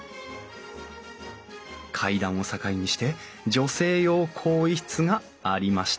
階段を境にして女性用更衣室がありました